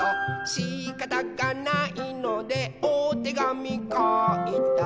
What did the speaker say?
「しかたがないのでおてがみかいた」